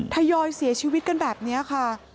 ทยอยเสียชีวิตกันแบบนี้ค่ะ